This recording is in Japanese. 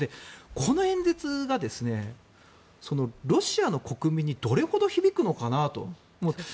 この演説がロシアの国民にどれほど響くのかなと。